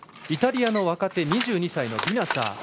イタリアの若手２２歳のビナツァー。